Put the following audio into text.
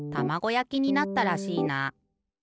やきになったらしいな。